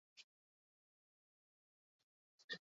Uste denez kornubiera bere aitarengandik ikasi zuen.